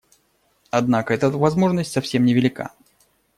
Однако эта возможность совсем невелика.